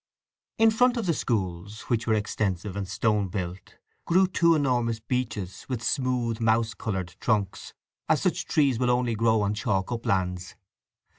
In front of the schools, which were extensive and stone built, grew two enormous beeches with smooth mouse coloured trunks, as such trees will only grow on chalk uplands.